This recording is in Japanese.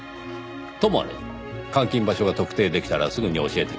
ともあれ監禁場所が特定できたらすぐに教えてください。